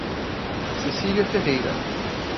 Cecilia Ferreira